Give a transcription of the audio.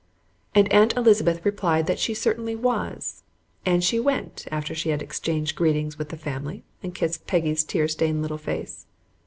And Aunt Elizabeth replied that she certainly was, and she went after she had exchanged greetings with the family and kissed Peggy's tear stained little face.